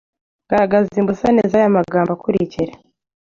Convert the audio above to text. Garagaza imbusane z’aya magambo akurikira